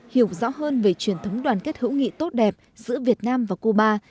hiểu rõ hơn về truyền thống đoàn kết hữu nghị tốt đẹp giữa việt nam và cuba